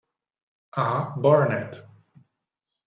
A. Burnett.